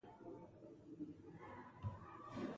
حسي نیورونونه له حسي غړو څخه اطلاعات نخاع او مغز ته رسوي.